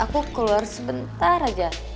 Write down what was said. aku keluar sebentar aja